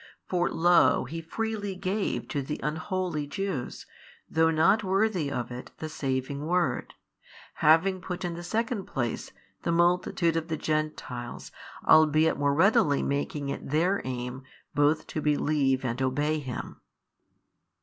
For lo He freely gave |596 to the unholy Jews though not worthy of it the saving word, having put in the second place the multitude of the Gentiles albeit more readily making it their aim both to believe and obey Him.